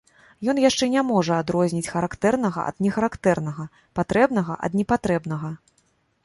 Ён яшчэ не можа адрозніць характэрнага ад нехарактэрнага, патрэбнага ад непатрэбнага.